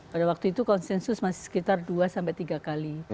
pada waktu itu konsensus masih sekitar dua sampai tiga kali